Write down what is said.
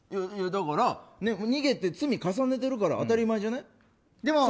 だから、逃げて罪重ねてるから当たり前じゃない？